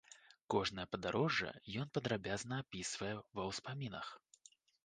Кожнае падарожжа ён падрабязна апісвае ва ўспамінах.